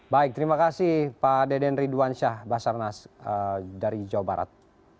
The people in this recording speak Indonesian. baik terima kasih pak deden ridwansyah basarnas dari jawa barat